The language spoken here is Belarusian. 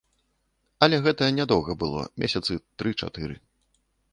Але гэта нядоўга было, месяцы тры-чатыры.